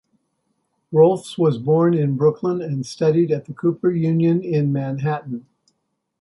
Rohlfs was born in Brooklyn and studied at the Cooper Union in Manhattan.